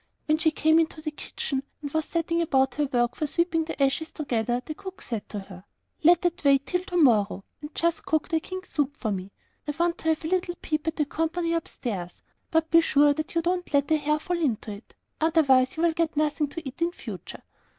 When she came into the kitchen and was setting about her work of sweeping the ashes together, the cook said to her, 'Let that wait till to morrow, and just cook the King's soup for me; I want to have a little peep at the company upstairs; but be sure that you do not let a hair fall into it, otherwise you will get nothing to eat in future!